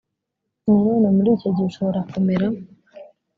nanone muri icyo gihe ushobora kumera